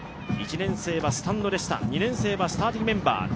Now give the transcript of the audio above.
１年生はスタンドでした２年生はスターティングメンバー